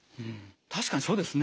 確かにそうですね